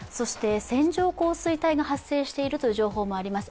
線状降水帯が発生しているという情報もあります。